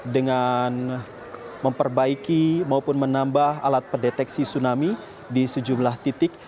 dengan memperbaiki maupun menambah alat pendeteksi tsunami di sejumlah titik